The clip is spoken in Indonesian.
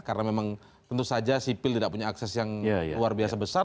karena memang tentu saja sipil tidak punya akses yang luar biasa besar